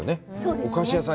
お菓子屋さん